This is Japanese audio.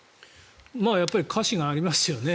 やっぱり瑕疵がありますよね。